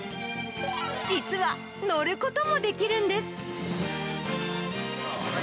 実は乗ることもできるんです。